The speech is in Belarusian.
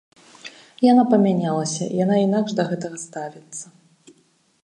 Яна памянялася, яна інакш да гэтага ставіцца.